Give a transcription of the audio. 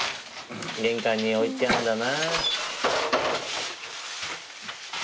玄関に置いてあるんだな。